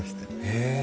へえ！